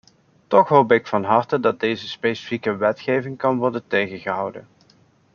Toch hoop ik van harte dat deze specifieke wetgeving kan worden tegengehouden.